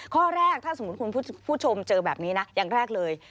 ข้อแรกถ้าสมมุติคุณผู้ชมเจอแบบนี้นะอย่างแรกเลย